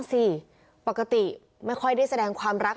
เบอร์ลูอยู่แบบนี้มั้งเยอะมาก